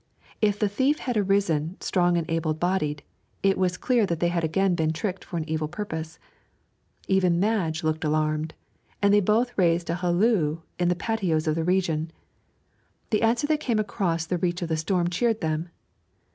If the thief had arisen, strong and able bodied, it was clear that they had again been tricked for an evil purpose. Even Madge looked alarmed, and they both raised a halloo in the patois of the region. The answer that came across the reach of the storm cheered them.